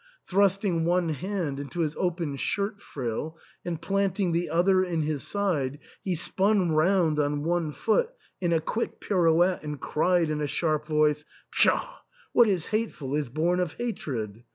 Thrusting one hand into his open shirt frill and planting the other in his side, he spun round on one foot in a quick pirouette and cried in a sharp voice, "Pshaw! What is hateful is bom of hatred."